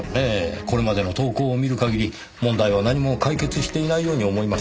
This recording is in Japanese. これまでの投稿を見る限り問題は何も解決していないように思えますが。